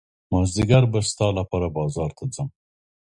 مازدیګر به ستا لپاره بازار ته ځم.